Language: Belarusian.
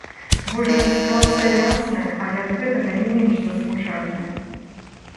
Вось жа, сітуацыя ясная, але ад гэтага не менш засмучальная.